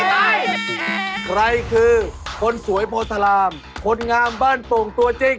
ใครคือคนสวยโพธารามคนงามบ้านโป่งตัวจริง